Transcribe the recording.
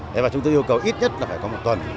thế và chúng tôi yêu cầu ít nhất là phải có một tuần